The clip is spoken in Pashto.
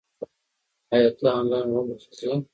ایا ته آنلاین غونډو ته ځې؟